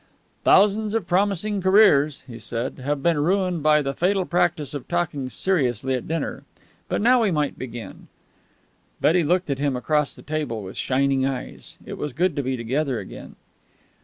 "Thousands of promising careers," he said, "have been ruined by the fatal practise of talking seriously at dinner. But now we might begin." Betty looked at him across the table with shining eyes. It was good to be together again.